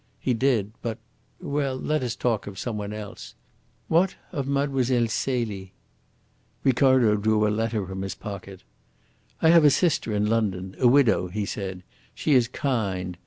He did, but well, let us talk of some one else. What of Mlle. Celie?" Ricardo drew a letter from his pocket. "I have a sister in London, a widow," he said. "She is kind.